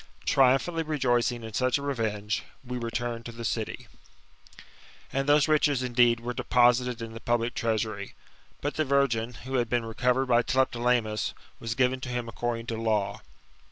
Triumphantly rejoicing in such a revenge, we returned to the city. TJ GOLDEN ASS, OF APULEIUS. — BOOK VI. I13 And those riches, indeed, were deposited in the public treasuiy ; but the virgin, who had been recovered by Tlepole mus, i^as given to him according to law.